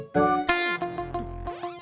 belum bayar dua gelas